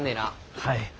はい。